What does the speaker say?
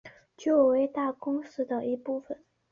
旧为大宫市的一部分。